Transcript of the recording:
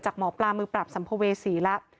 จากหมอปลามือปรับสัมภเวศีละ